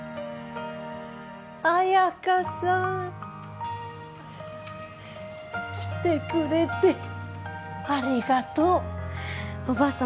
綾華さん来てくれてありがとうおばあ様